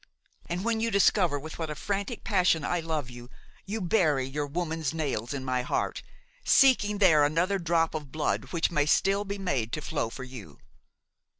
And when you discover with what a frantic passion I love you, you bury your woman's nails in my heart, seeking there another drop of blood which may still be made to flow for you!